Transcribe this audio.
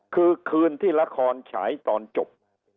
คือคืนที่ละครฉายตอนจบ